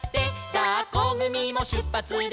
「だっこぐみもしゅっぱつです」